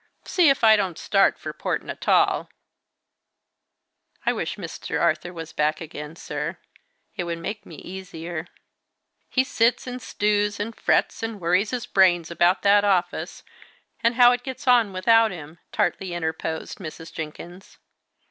See if I don't start for Port Natal!" "I wish Mr. Arthur was back again, sir. It would make me easier." "He sits, and stews, and frets, and worries his brains about that office, and how it gets on without him!" tartly interposed Mrs. Jenkins.